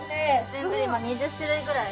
全部で今２０種類ぐらい。